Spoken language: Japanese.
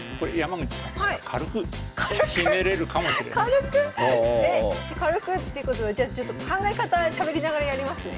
軽く？軽く？軽くっていうことはじゃあちょっと考え方しゃべりながらやりますね。